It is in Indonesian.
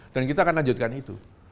dan kita akan lanjutkan itu